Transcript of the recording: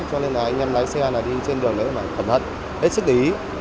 cho nên là anh em lái xe là đi trên đường đấy là khẩn hận ít sức lý